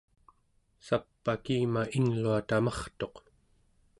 sap'akima inglua tamartuq